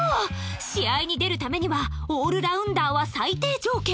試合に出るためにはオールラウンダーは最低条件